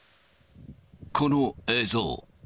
この映像。